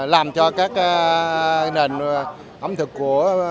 làm cho các nền ẩm thực của